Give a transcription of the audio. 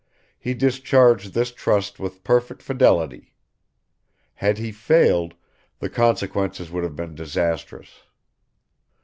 He discharged this trust with perfect fidelity. Had he failed, the consequences would have been disastrous.